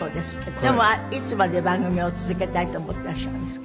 でもいつまで番組を続けたいと思ってらっしゃいますか？